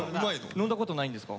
飲んだことないんですか？